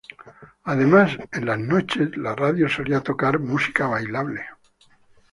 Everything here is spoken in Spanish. Además, en las noches la radio solía tocar música bailable.